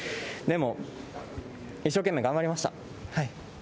でも、一生懸命頑張りました。